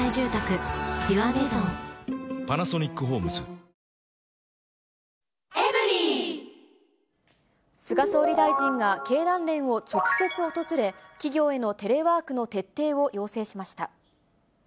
コロナある前の２倍ぐらいの菅総理大臣が経団連を直接訪れ、企業へのテレワークの徹底を要請しました。